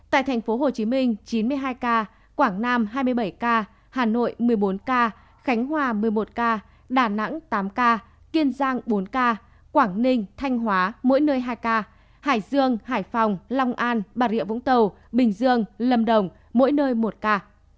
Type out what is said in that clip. tại tp hcm chín mươi hai ca quảng nam hai mươi bảy ca hà nội một mươi bốn ca khánh hòa một mươi một ca đà nẵng tám ca kiên giang bốn ca quảng ninh thanh hóa mỗi nơi hai ca hải dương hải phòng long an bà rịa vũng tàu bình dương lâm đồng mỗi nơi một ca